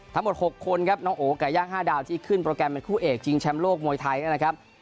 ทั้งหมด๖คนครับน้องโอ๋ไก่ย่าง๕ดาวที่ขึ้นโปรแกรมเป็นคู่เอกชิงแชมป์โลกมวยไทยนะครับ